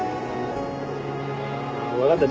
分かった。